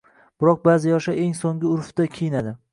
Biroq ba’zi yoshlar eng so‘nggi urfda kiyinadi.